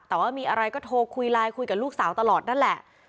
แต่ว่ามีอะไรก็โทรคุยไลน์คุยกับลูกสาวตลอดนั่นแหละ